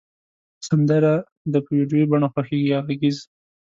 سندری د په ویډیو بڼه خوښیږی یا غږیز